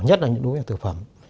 nhất là những đối với thực phẩm